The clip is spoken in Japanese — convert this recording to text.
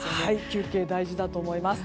休憩、大事だと思います。